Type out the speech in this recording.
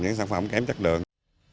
những sản phẩm kém chất lượng